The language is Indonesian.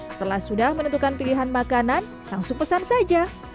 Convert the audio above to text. setelah sudah menentukan pilihan makanan langsung pesan saja